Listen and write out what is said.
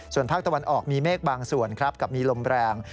ส่วนภาคตะวันออกมีเมฆบางส่วนครับกับมีลมแรง